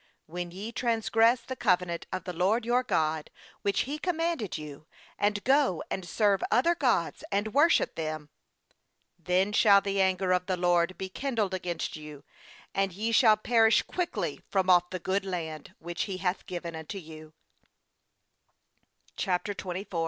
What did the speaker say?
16When ye transgress the covenant of the LORD your God, which He com manded you, and go and serve other gods, and worship them; then shall the anger of the LORD be kindled against you, and ye shall perish quick ly from off the good land which He hath given unto you.'